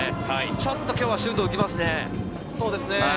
ちょっと今日はシュート浮きますね。